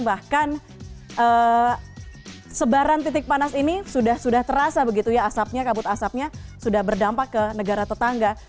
bahkan sebaran titik panas ini sudah terasa begitu ya asapnya kabut asapnya sudah berdampak ke negara tetangga